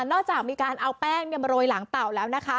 นอกจากมีการเอาแป้งมาโรยหลังเต่าแล้วนะคะ